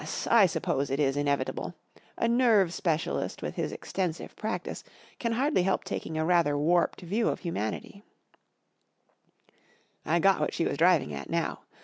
I suppose it is inevitable, A nerve specialist with his extensive practice can hardly help taking a rather warped view of humanity/' T got what she was driving at now.